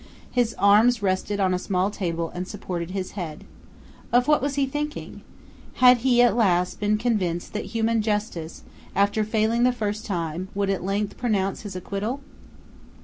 His arms rested on a small table and supported his head. Of what was he thinking? Had he at last been convinced that human justice, after failing the first time, would at length pronounce his acquittal?